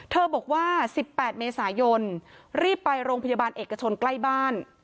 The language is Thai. บอกว่า๑๘เมษายนรีบไปโรงพยาบาลเอกชนใกล้บ้าน